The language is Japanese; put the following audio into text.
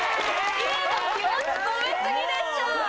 Ｅの気持ち込めすぎでした